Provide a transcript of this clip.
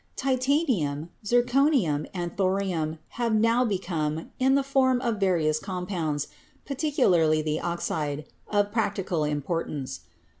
Titanium, zirconium and thorium have now become, in the form of various compounds, particularly the oxide, of practical importance.